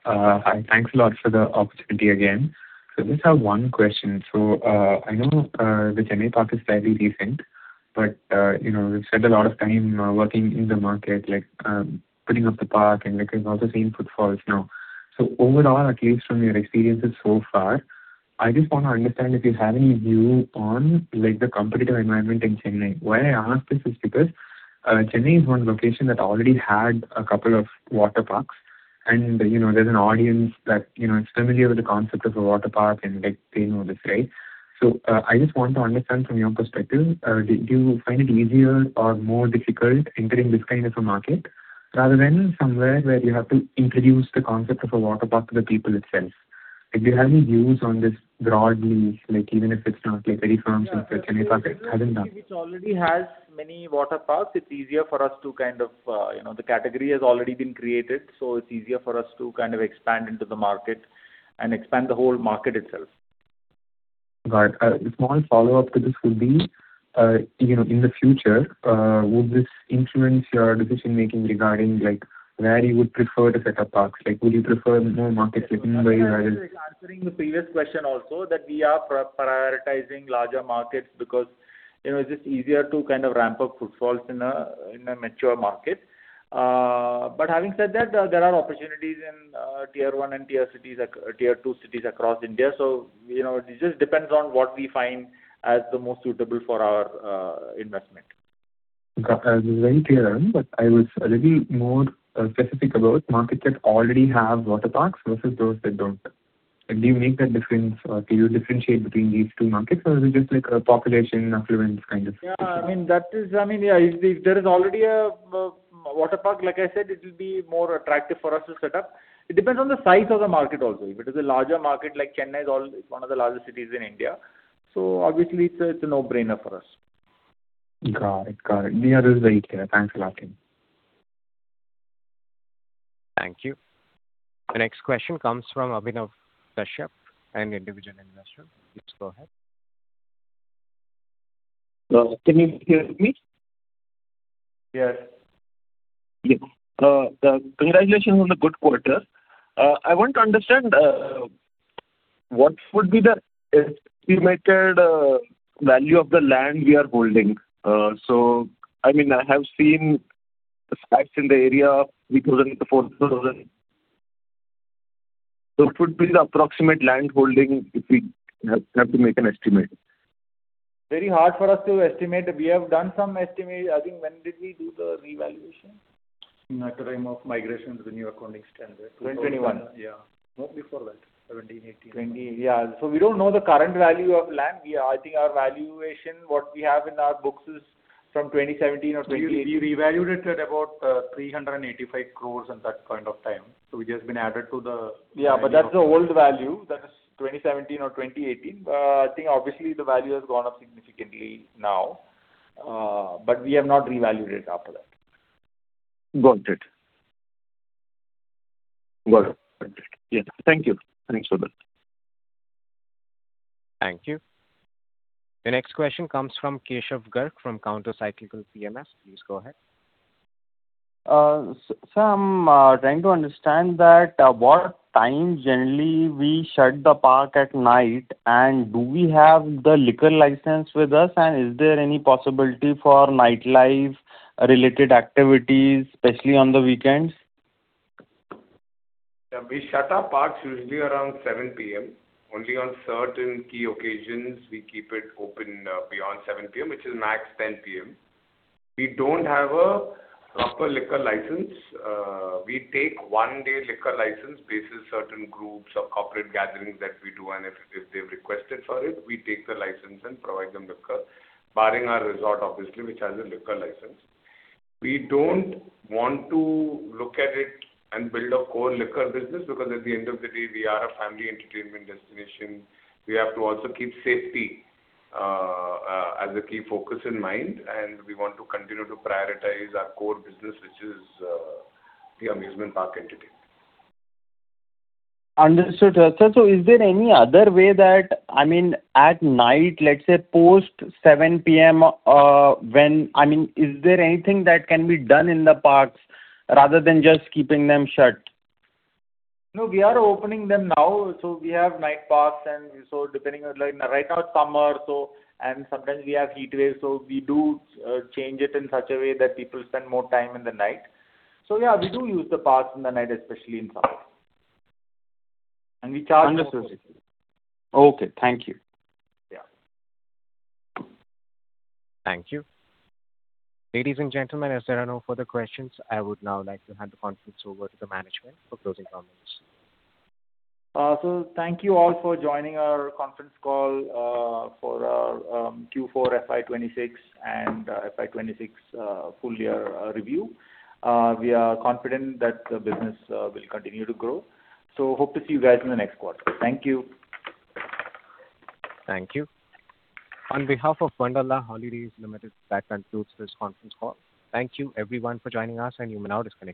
Hi, thanks a lot for the opportunity again. Just have one question. I know, the Chennai park is slightly different, but, you know, we've spent a lot of time working in the market, like, putting up the park and looking at all the same footfalls now. Overall, at least from your experiences so far, I just wanna understand if you have any view on, like, the competitive environment in Chennai. Why I ask this is because Chennai is one location that already had a couple of water parks and, you know, there's an audience that, you know, is familiar with the concept of a water park and like they know this, right? I just want to understand from your perspective, did you find it easier or more difficult entering this kind of a market rather than somewhere where you have to introduce the concept of a water park to the people itself? If you have any views on this broadly, like even if it is not like very firm since Chennai park has been done. Yeah. In a city which already has many water parks, it's easier for us to kind of, you know, the category has already been created, so it's easier for us to kind of expand into the market and expand the whole market itself. Got it. A small follow-up to this will be, you know, in the future, would this influence your decision-making regarding, like, where you would prefer to set up parks? Like, would you prefer more markets like Mumbai? Yeah. Answering the previous question also that we are prioritizing larger markets because, you know, it's just easier to kind of ramp up footfalls in a, in a mature market. Having said that, there are opportunities in tier 1 and tier 2 cities across India. You know, it just depends on what we find as the most suitable for our investment. Got. Very clear, I was a little more specific about markets that already have water parks versus those that don't. Like, do you make that difference or do you differentiate between these two markets or is it just like a population affluence kind of situation? Yeah. I mean, if there is already a water park, like I said, it will be more attractive for us to set up. It depends on the size of the market also. If it is a larger market like Chennai is one of the largest cities in India, obviously it's a no-brainer for us. Got it. Got it. Yeah, this is very clear. Thanks a lot, team. Thank you. The next question comes from Abhinav Kashyap, an individual investor. Please go ahead. Can you hear me? Yes. Yes. Congratulations on the good quarter. I want to understand what would be the estimated value of the land we are holding. I mean, I have seen the stacks in the area, 3,000-4,000. What would be the approximate land holding if we have to make an estimate? Very hard for us to estimate. We have done some estimate. I think when did we do the revaluation? At the time of migration to the new accounting standard. 2021. Yeah. No, before that. 2017, 2018. yeah. We don't know the current value of land. I think our valuation, what we have in our books is from 2017 or 2018. We revaluated at about 385 crores in that point of time. That's the old value. That is 2017 or 2018. I think obviously the value has gone up significantly now. We have not revaluated after that. Got it. Yeah. Thank you. Thanks for that. Thank you. The next question comes from Keshav Garg from Counter Cyclical PMS. Please go ahead. I'm trying to understand that what time generally we shut the park at night and do we have the liquor license with us and is there any possibility for nightlife related activities, especially on the weekends? Yeah. We shut our parks usually around 7:00 P.M. Only on certain key occasions we keep it open beyond 7:00 P.M., which is max 10:00 P.M. We don't have a proper liquor license. We take one-day liquor license basis certain groups or corporate gatherings that we do, and if they've requested for it, we take the license and provide them liquor, barring our resort obviously, which has a liquor license. We don't want to look at it and build a core liquor business because at the end of the day, we are a family entertainment destination. We have to also keep safety as a key focus in mind, and we want to continue to prioritize our core business, which is the amusement park entity. Understood. Is there any other way that, I mean, at night, let's say post 7:00 P.M., I mean, is there anything that can be done in the parks rather than just keeping them shut? No, we are opening them now. We have night parks depending on like right now it's summer. Sometimes we have heat waves, we do change it in such a way that people spend more time in the night. Yeah, we do use the parks in the night, especially in summer. We charge. Understood. Okay. Thank you. Yeah. Thank you. Ladies and gentlemen, as there are no further questions, I would now like to hand the conference over to the management for closing comments. Thank you all for joining our conference call, for our Q4 FY 2026 and FY 2026 full year review. We are confident that the business will continue to grow. Hope to see you guys in the next quarter. Thank you. Thank you. On behalf of Wonderla Holidays Limited, that concludes this conference call. Thank you everyone for joining us, and you may now disconnect.